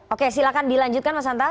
oke silakan dilanjutkan mas hanta